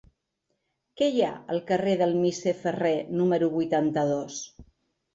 Què hi ha al carrer del Misser Ferrer número vuitanta-dos?